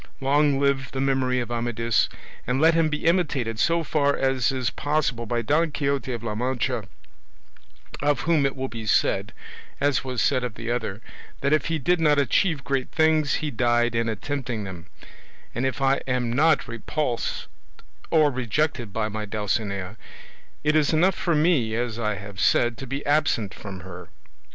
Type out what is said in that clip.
Long live the memory of Amadis and let him be imitated so far as is possible by Don Quixote of La Mancha, of whom it will be said, as was said of the other, that if he did not achieve great things, he died in attempting them; and if I am not repulsed or rejected by my Dulcinea, it is enough for me, as I have said, to be absent from her.